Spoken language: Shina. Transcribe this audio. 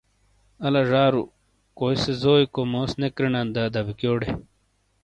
آلا ژارو کوسے زوئیکو موس نے کریݨانت دادبیکیوٹے؟